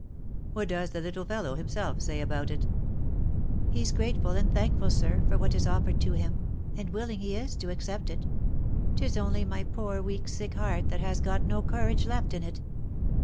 What does the little fellow himself say about it ?"" He's grateful and thankful, sir, for what is offered to him, and willing he is to accept it. — Tis only my poor weak sick heart that has got no courage left in it.